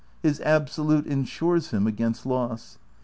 His Absolute ensures liim against loss.